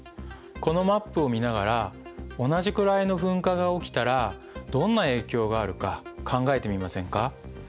このマップを見ながら同じくらいの噴火が起きたらどんな影響があるか考えてみませんか？